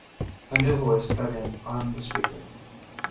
A new voice cut in on the speaker.